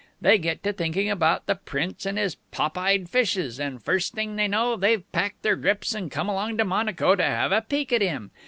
They get to thinking about the Prince and his pop eyed fishes, and, first thing they know, they've packed their grips and come along to Monaco to have a peek at him.